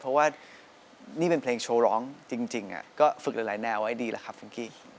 เพราะว่านี่เป็นเพลงโชว์ร้องจริงก็ฝึกหลายแนวไว้ดีแล้วครับฟุ้งกี้